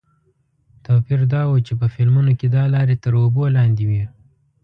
توپیر دا و چې په فلمونو کې دا لارې تر اوبو لاندې وې.